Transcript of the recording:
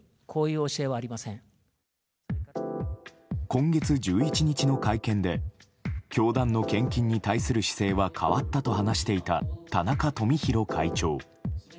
今月１１日の会見で教団の献金に対する姿勢は変わったと話していた田中富広会長。